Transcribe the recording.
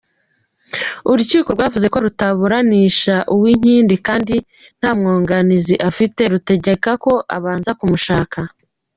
Urukiko rwavuze ko rutaburanisha Uwinkindi nta mwunganizi afite, rutegeka ko abanza kumushaka.